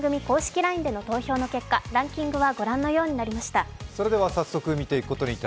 ＬＩＮＥでの投票の結果、ランキングはご覧のようになりました。